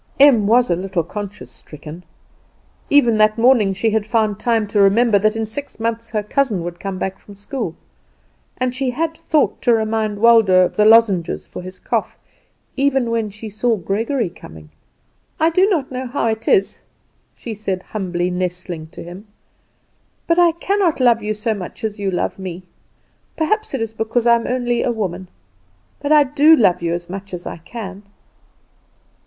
Em was a little conscience stricken; even that morning she had found time to remember that in six months her cousin would come back from school, and she had thought to remind Waldo of the lozenges for his cough, even when she saw Gregory coming. "I do not know how it is," she said humbly, nestling to him, "but I cannot love you so much as you love me. Perhaps it is because I am only a woman; but I do love you as much as I can."